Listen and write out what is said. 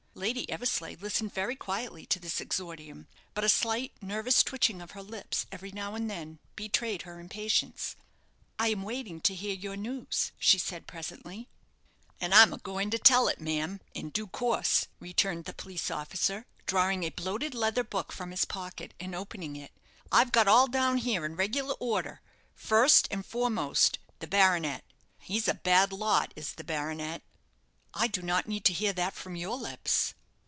Lady Eversleigh listened very quietly to this exordium; but a slight, nervous twitching of her lips every now and then betrayed her impatience. "I am waiting to hear your news," she said, presently. "And I'm a going to tell it, ma'am, in due course," returned the police officer, drawing a bloated leather book from his pocket, and opening it. "I've got all down here in regular order. First and foremost, the baronet he's a bad lot, is the baronet." "I do not need to hear that from your lips."